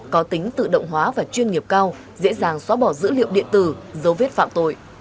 có tính tự động hóa và chuyên nghiệp cao dễ dàng xóa bỏ dữ liệu điện tử dấu vết phạm tội